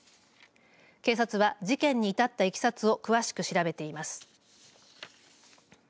警察は事件に至ったいきさつを詳しく調べています。